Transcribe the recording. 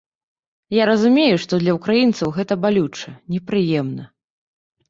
Я разумею, што для ўкраінцаў гэта балюча, непрыемна.